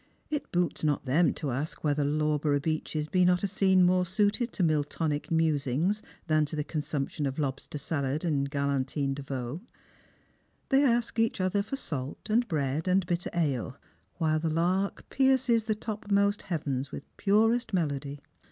It boots not them to ask whether Lawborough Beeches be not a scene more suited to Miltonio musings than to the consumption of lobster salad and galantine de veau. They ask each other for salt, and bread, and bitter ale, while the lark pierces the toijmost heavens with purest melody.